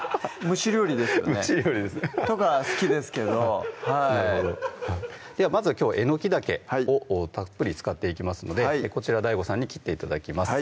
蒸し料理ですとかは好きですけどはいなるほどまずはきょうはえのきだけをたっぷり使っていきますのでこちらＤＡＩＧＯさんに切って頂きます